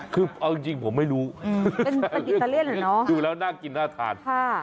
คือเอาจริงผมไม่รู้ดูแล้วน่ากินน่าทาน